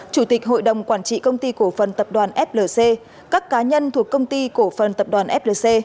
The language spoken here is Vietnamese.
chủ tịch hội đồng quản trị công ty cổ phần tập đoàn flc các cá nhân thuộc công ty cổ phần tập đoàn flc